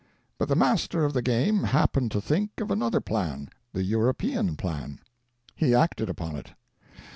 But the Master of the Game happened to think of another plan — the European plan. He acted upon it.